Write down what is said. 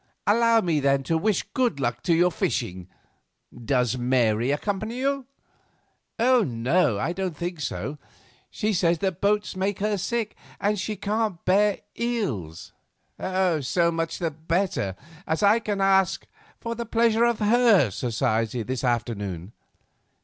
Allow me then to wish good luck to your fishing. Does Mary accompany you?" "No, I think not; she says the boat makes her sick, and she can't bear eels." "So much the better, as I can ask for the pleasure of her society this afternoon."